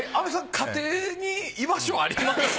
家庭に居場所あります？